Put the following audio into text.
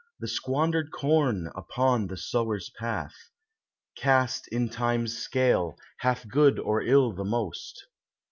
The squandered corn upon the sower's path? Cast in time's scale hath good or ill the most?